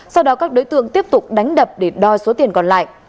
sau đó các đối tượng tiếp tục đánh đập để đo số tiền còn lại